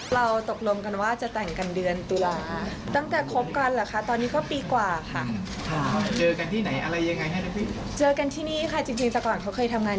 และว่าฉันได้เจอกับคนสำคัญมาก